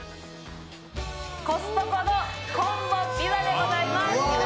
コストコのコンボピザでございます。